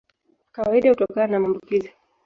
Kwa kawaida hutokana na maambukizi.